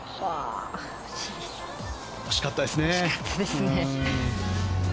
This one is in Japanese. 惜しかったですね。